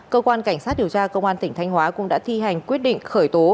cơ quan cảnh sát điều tra công an tỉnh thanh hóa cũng đã thi hành quyết định khởi tố